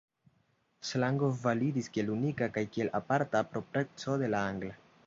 Slango validis kiel unika kaj kiel aparta propreco de la angla.